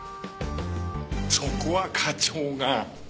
そこは課長が！